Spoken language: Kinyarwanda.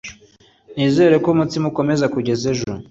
Nizere ko umutsima ukomeza kugeza ejo.